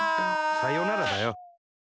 「さよなら」だよ。